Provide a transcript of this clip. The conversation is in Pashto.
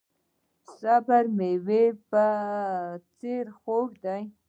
صبر د میوې په څیر خوږ دی.